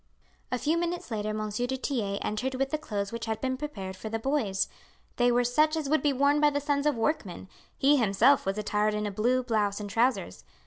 A few minutes later Monsieur du Tillet entered with the clothes which had been prepared for the boys. They were such as would be worn by the sons of workmen; he himself was attired in a blue blouse and trousers.